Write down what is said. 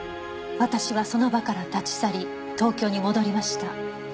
「私はその場から立ち去り東京に戻りました」